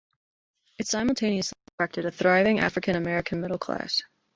It simultaneously attracted a thriving African-American middle-class.